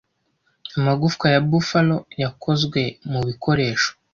Amagufwa ya Buffalo yakozwe mubikoresho.